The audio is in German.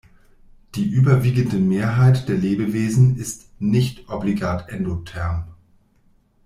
Die überwiegende Mehrheit der Lebewesen ist "nicht" obligat endotherm.